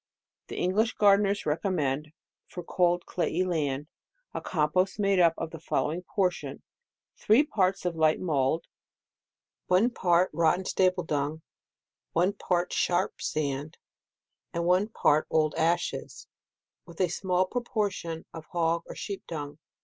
The English gardeners recommend, for cold clayey land, a compost made up in the following proportion : three parts of light mould ; one part rotten stable dung ; one part sharp sand ; and one part old ashes, with a small proportion of hog or sheep dung.